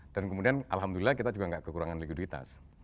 dan kemudian alhamdulillah kita juga gak kekurangan likuiditas